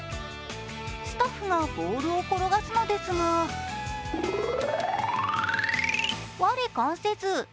スタッフがボールを転がすのですが、我関せず。